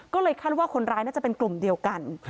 ก็เลยคาดว่าคนร้ายน่าจะเป็นกลุ่มเดียวกัน